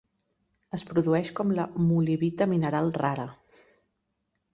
Es produeix com la molibita mineral rara.